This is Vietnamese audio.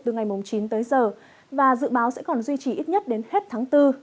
từ ngày chín tới giờ và dự báo sẽ còn duy trì ít nhất đến hết tháng bốn